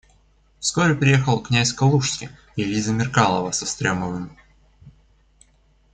Вскоре приехал князь Калужский и Лиза Меркалова со Стремовым.